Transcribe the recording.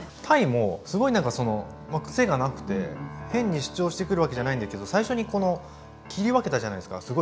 たいもすごいなんか癖がなくて変に主張してくるわけじゃないんだけど最初にこの切り分けたじゃないですか。